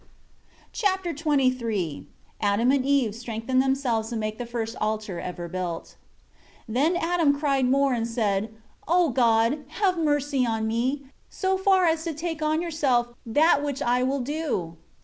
Chapter XXIII Adam and Eve strengthen themselves and make the first altar ever built. 1 Then Adam cried more and said, "O God, have mercy on me, so far as to take on yourself, that which I will do."